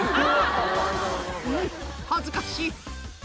「うん恥ずかしい」